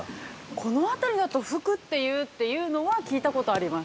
◆この辺りだと「ふく」って言うっていうのは聞いたことあります。